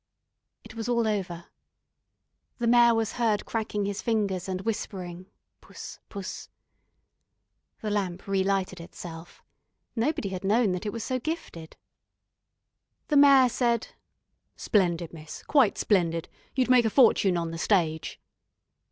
It was all over. The Mayor was heard cracking his fingers, and whispering "Puss, Puss." The lamp relighted itself. Nobody had known that it was so gifted. The Mayor said: "Splendid, miss, quite splendid. You'd make a fortune on the stage."